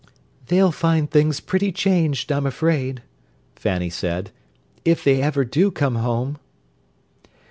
"They'll find things pretty changed, I'm afraid," Fanny said. "If they ever do come home!"